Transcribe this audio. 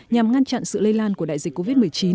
nhằm ngăn chặn sự lây lan của đại dịch covid một mươi chín